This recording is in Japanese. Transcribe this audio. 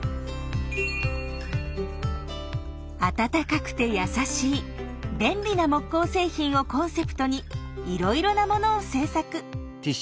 あたたかくてやさしい便利な木工製品をコンセプトにいろいろなものを製作。